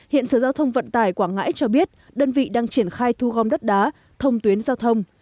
hiện sở giao thông vận tải quảng ngãi cho biết đơn vị đang triển khai thu gom đất đá thông tuyến giao thông